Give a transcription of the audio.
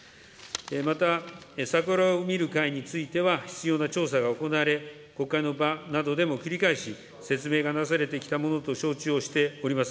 また桜を見る会については必要な調査が行われ、ほかの場などでも繰り返し説明がなされてきたものと承知をしております。